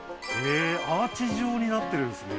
えーアーチ状になってるんですね